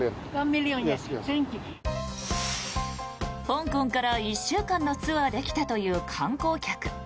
香港から１週間のツアーで来たという観光客。